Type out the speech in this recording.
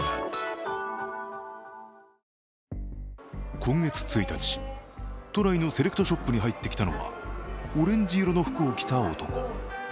今月１日都内のセレクトショップに入ってきたのはオレンジ色の服を着た男。